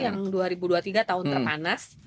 yang dua ribu dua puluh tiga tahun terpanas